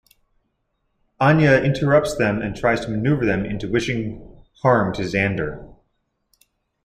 Anya interrupts them and tries to maneuver them into wishing harm to Xander.